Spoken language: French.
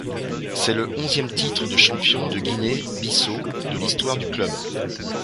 C'est le onzième titre de champion de Guinée-Bissau de l'histoire du club.